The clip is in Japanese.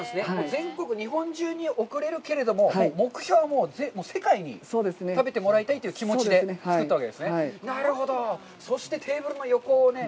全国、日本中に送れるけれども、目標は世界に食べてもらいたいという気持ちで作ったわけですね。